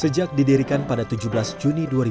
sejak didirikan pada tujuh belas juni mata covid sembilan belas